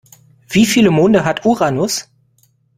Wie viele Monde hat Uranus?